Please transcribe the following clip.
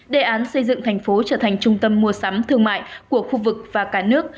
đề án xây dựng thành phố trở thành trung tâm mua sắm thương mại của khu vực và cả nước